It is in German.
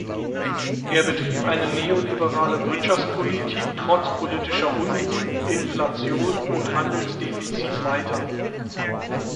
Er betrieb eine neoliberale Wirtschaftspolitik trotz politischer Unruhen, Inflation und Handelsdefizit weiter.